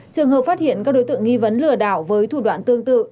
trường hợp phát hiện các đối tượng nghi vấn lừa đảo với thủ đoạn tương tự